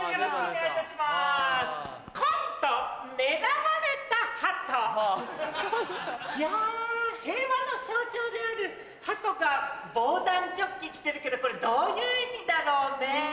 いや平和の象徴である鳩が防弾チョッキ着てるけどこれどういう意味だろうね。